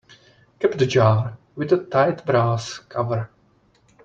Cap the jar with a tight brass cover.